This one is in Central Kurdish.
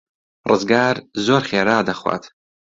ڕزگار زۆر خێرا دەخوات.